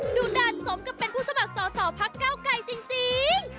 ดุดันสมกับเป็นผู้สมัครสอสอพักเก้าไกรจริง